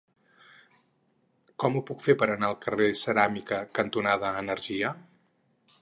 Com ho puc fer per anar al carrer Ceràmica cantonada Energia?